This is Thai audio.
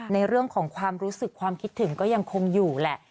ในเรื่องของความรู้สึกความคิดถึงก็ยังคงอยู่แหละ